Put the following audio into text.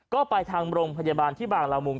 ก็ไปทางโรงพยาบาลที่บางละมุง